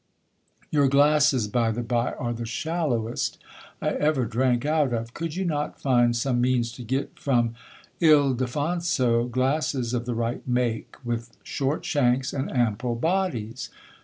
—Your glasses, by the bye, are the shallowest I ever drank out of—could you not find some means to get from Ildefonso1 glasses of the right make, with short shanks and ample bodies?